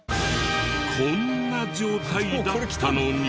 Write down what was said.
こんな状態だったのに。